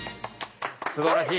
すばらしい！